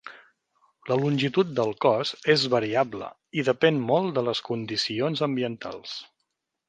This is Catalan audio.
La longitud del cos és variable i depèn molt de les condicions ambientals.